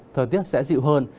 thời tiết sẽ dịu hơn